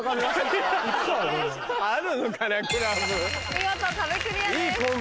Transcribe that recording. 見事壁クリアです。